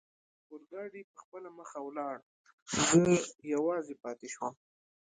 اورګاډي پخپله مخه ولاړ، زه یوازې پاتې شوم.